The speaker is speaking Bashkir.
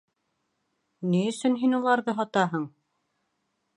Ни өсөн һин уларҙы һатаһың?